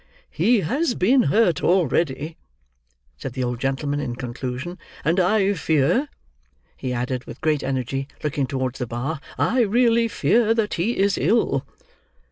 "He has been hurt already," said the old gentleman in conclusion. "And I fear," he added, with great energy, looking towards the bar, "I really fear that he is ill."